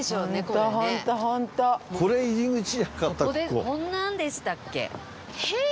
こんなんでしたっけ？へえ！